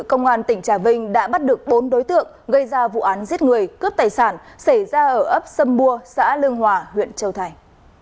công an tỉnh trà vinh đã bắt được bốn đối tượng gây ra vụ án giết người cướp tài sản xảy ra ở ấp sâm bua xã lương hòa huyện châu thành